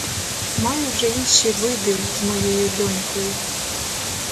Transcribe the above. Маю вже інші види з моєю донькою.